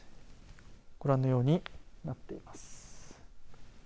ご覧のようになっています。